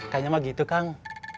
kayaknya mah gitu kang